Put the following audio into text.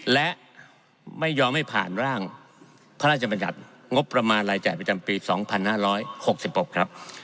และไม่ยอมให้ผ่านร่างพระราชบัญญัติงบประมาณรายจ่ายประจำปี๒๕๖๖ครับ